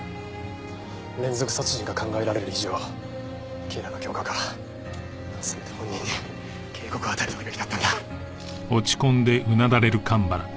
連続殺人が考えられる以上警らの強化かせめて本人に警告を与えておくべきだったんだ。